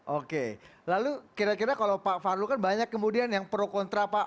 oke lalu kira kira kalau pak fahru kan banyak kemudian yang pro kontra pak